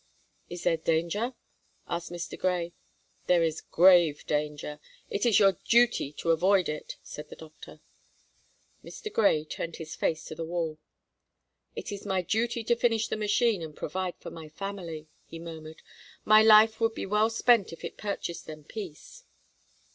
"Is there danger?" asked Mr. Grey. "There is grave danger; it is your duty to avoid it," said the doctor. Mr. Grey turned his face to the wall. "It is my duty to finish the machine and provide for my family," he murmured. "My life would be well spent if it purchased them peace."